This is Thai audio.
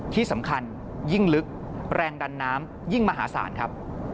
ที่สำคัญยิ่งลึกแรงดันน้ำยิ่งมหาศาลครับ